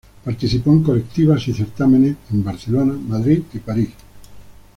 Participó en colectivas y certámenes en Barcelona, Madrid y París.